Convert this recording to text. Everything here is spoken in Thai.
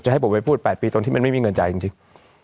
ให้ผมไปพูด๘ปีตรงที่มันไม่มีเงินจ่ายจริง